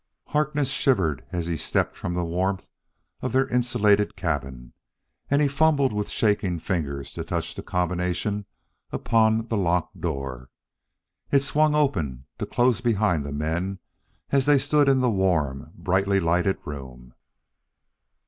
Harkness shivered as he stepped from the warmth of their insulated cabin, and he fumbled with shaking fingers to touch the combination upon the locked door. It swung open, to close behind the men as they stood in the warm, brightly lighted room.